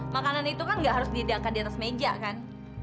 makanan itu kan nggak harus dihidangkan di atas meja kan